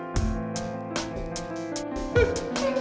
mas aku mau pergi